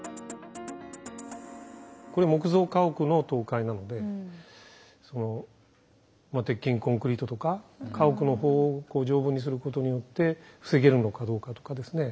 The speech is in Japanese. これ木造家屋の倒壊なのでその鉄筋コンクリートとか家屋の方を丈夫にすることによって防げるのかどうかとかですね